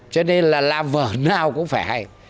cho nên là làm vở nào cũng phải hay